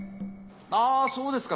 あぁそうですか